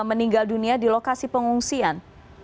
meninggal dunia di lokasi pengungsian